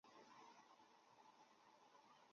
日本关西地区的主要国内线机场。